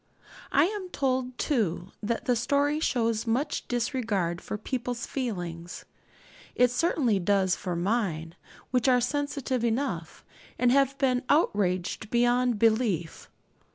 I am told, too, that the story shows much disregard for people's feelings. It certainly does for mine, which are sensitive enough, and have been outraged beyond belief.